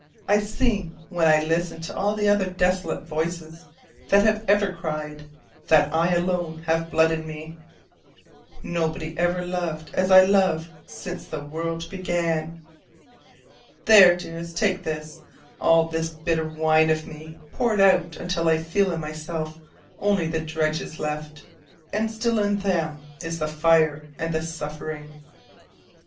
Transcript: It seems when I listen to all the other desolate voices that have ever cried, that I alone have blood in me. Nobody ever loved as I love since the world began. There, dearest, take this, all this bitter wine of me poured out until I feel in myself only the dregs left: and still in them is the fire and the suffering.